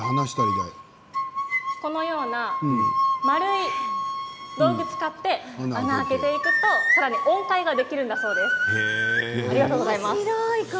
笛の音このような丸い道具を使って穴を開けていくとさらに音階ができるんだそうです。